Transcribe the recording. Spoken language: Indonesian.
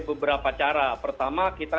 beberapa cara pertama kita